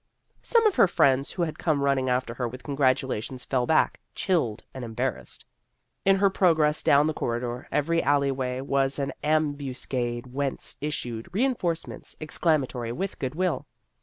Some of her friends who had come running after her with congratulations fell back, chilled and em barrassed. In her progress down the corridor, every alley way was an ambus cade whence issued reinforcements ex clamatory with good will.